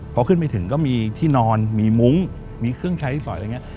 พอขึ้นไปถึงก็มีที่นอนมีมุ้งมีเครื่องใช้สอยอะไรอย่างนี้